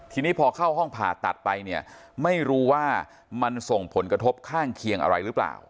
ทีนี้พอเข้าห้องผ่าตัดไปเนี่ยไม่รู้ว่ามันส่งผลกระทบข้างเคียงอะไรหรือเปล่า